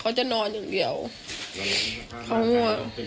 เขาจะนอนอย่างเดียวเขามั่ว